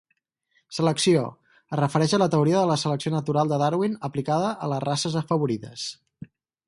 Selecció: es refereix a la teoria de la selecció natural de Darwin aplicada a les "races afavorides".